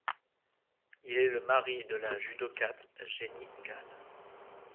Il est le mari de la judokate Jenny Gal.